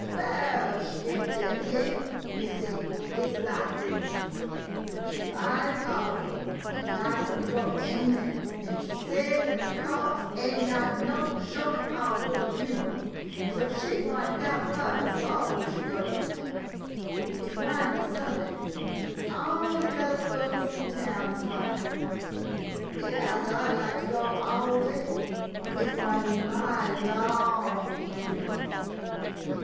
Well — she ain' dead yet. Yo' see, it 's lak dis. She 's mighty poly, and likely to go any minute, an' she say dat de corpse am' got no show at all at a funeral, so she gwine hab hers 'fo' she goes. It 's gwine be Sunday — all de colored folks in town is gwine. Yas, I 'd like to go all day — it 's gwine be mighty long funeral.